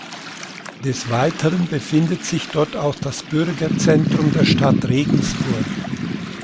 Des Weiteren befindet sich dort auch das Bürgerzentrum der Stadt Regensburg.